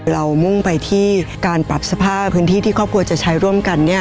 มุ่งไปที่การปรับสภาพพื้นที่ที่ครอบครัวจะใช้ร่วมกัน